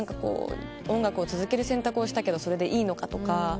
音楽を続ける選択をしたけどそれでいいのかとか。